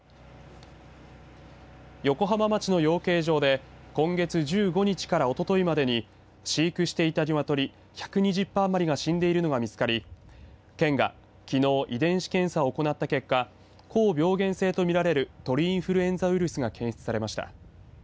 横浜町の養鶏場で今月１５日からおとといまでに飼育していた鶏１２０羽余りが死んでいるのが見つかり県がきのう遺伝子検査を行った結果高病原性とみられる鳥インフルエンザウイルスが検出されました。